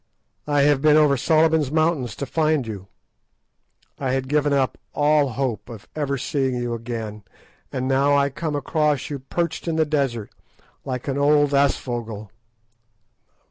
I have been over Solomon's Mountains to find you. I had given up all hope of ever seeing you again, and now I come across you perched in the desert, like an old aasvögel."